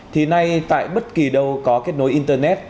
thì nay tại bất kỳ đâu có kết nối internet